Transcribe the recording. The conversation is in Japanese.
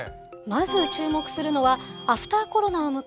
まず注目するのはアフターコロナを迎えた